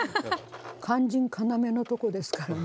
肝心要のとこですからね。